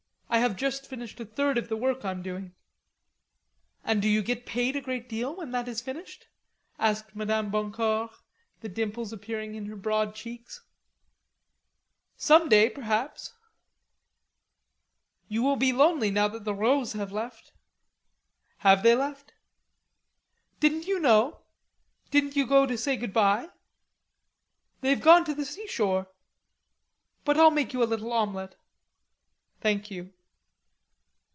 I have just finished a third of the work I'm doing. "And do you get paid a great deal, when that is finished?" asked Madame Boncour, the dimples appearing in her broad cheeks. "Some day, perhaps." "You will be lonely now that the Rods have left." "Have they left?" "Didn't you know? Didn't you go to say goodby? They've gone to the seashore.... But I'll make you a little omelette." "Thank you."